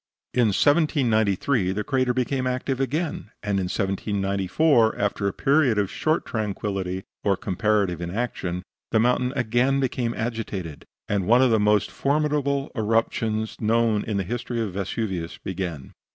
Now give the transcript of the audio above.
In 1793 the crater became active again, and in 1794 after a period of short tranquillity or comparative inaction, the mountain again became agitated, and one of the most formidable eruptions known in the history of Vesuvius began.